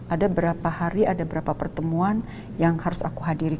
ada berapa hari ada berapa pertemuan yang harus aku hadiri